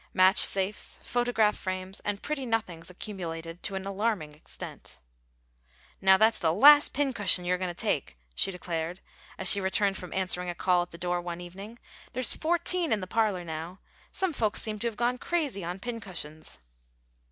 Match safes, photograph frames, and pretty nothings accumulated to an alarming extent. "Now that's the last pin cushion you're goin' to take," she declared, as she returned from answering a call at the door one evening. "There's fourteen in the parlor now. Some folks seem to have gone crazy on pin cushions."